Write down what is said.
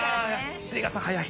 出川さん早い。